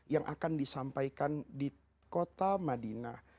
yang akan disampaikan di kota madinah